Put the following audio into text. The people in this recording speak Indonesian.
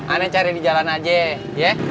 aneh cari di jalan aja ya